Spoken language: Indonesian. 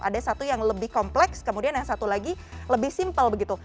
ada satu yang lebih kompleks kemudian yang satu lagi lebih simple begitu